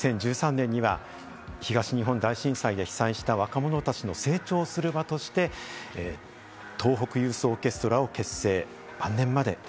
ＶＴＲでもお伝えしましたように、２０１３年には東日本大震災で被災した若者たちの成長する場として、東北ユースオーケストラを結成。